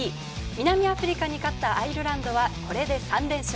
南アフリカに勝ったアイルランドは、これで３連勝。